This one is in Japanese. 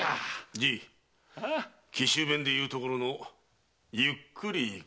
じい紀州弁で言うところの「ゆっくりいこら」だ。